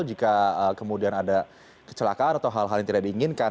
jika kemudian ada kecelakaan atau hal hal yang tidak diinginkan